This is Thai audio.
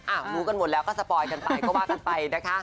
รู้กันหมดแล้วก็สปอยกันไปก็ว่ากันไปนะคะ